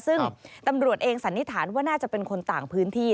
ซึ่งตำรวจเองสันนิษฐานว่าน่าจะเป็นคนต่างพื้นที่